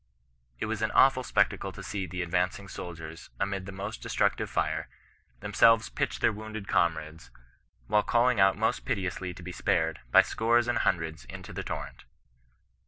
It was an awful spectacle to see the advancing soldiers, amid the most destructive fire, themselves pitch their wounded comrades, while calling out most piteously to be spared, by scores and hundreds into the torrent.